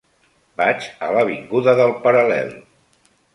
Vaig a l'avinguda del Paral·lel.